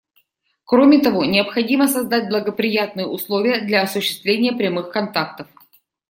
Кроме того, необходимо создать благоприятные условия для осуществления прямых контактов.